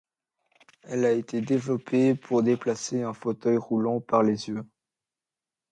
Elle a été développée pour déplacer un fauteuil roulant par les yeux.